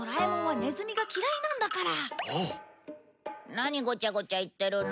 何ごちゃごちゃ言ってるの？